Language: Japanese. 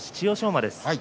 馬です。